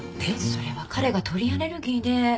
それは彼が鳥アレルギーで。